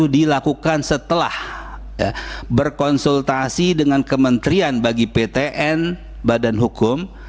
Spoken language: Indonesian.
dilakukan setelah berkonsultasi dengan kementerian bagi ptn badan hukum